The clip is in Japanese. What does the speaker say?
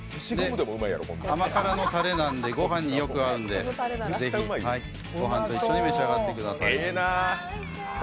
甘辛のたれなんで、ご飯によく合うのでぜひごはんと一緒に召し上がってください。